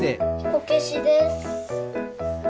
こけしです。